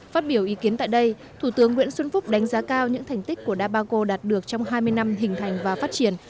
phát biểu ý kiến tại đây thủ tướng nguyễn xuân phúc đánh giá cao những thành tích của dabaco đạt được trong hai mươi năm hình thành và phát triển